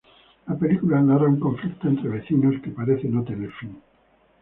La película narra un conflicto entre vecinos que parece no tener fin.